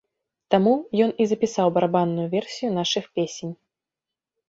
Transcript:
Таму ён і запісаў барабанную версію нашых песень.